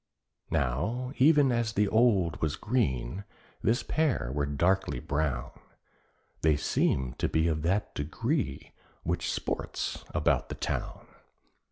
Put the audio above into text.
Now even as the old was green, this pair were darkly brown; They seemed to be of that degree which sports about the town.